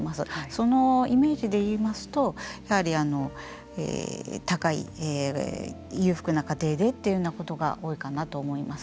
そのイメージで言いますと高い裕福な家庭でというふうなことが多いかなと思います。